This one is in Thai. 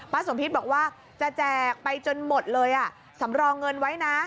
สมพิษบอกว่าจะแจกไปจนหมดเลยอ่ะสำรองเงินไว้นะ